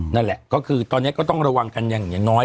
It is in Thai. นั่นแหละก็คือตอนนี้ก็ต้องระวังกันอย่างน้อย